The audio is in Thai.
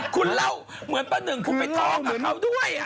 คุณเล่าเหมือนป้าหนึ่งคุณไปท้องกับเขาด้วย